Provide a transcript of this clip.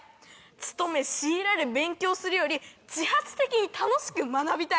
勉め強いられ勉強するより自発的に楽しく学びたい。